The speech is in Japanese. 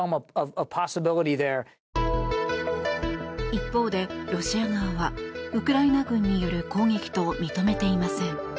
一方でロシア側はウクライナ軍による攻撃と認めていません。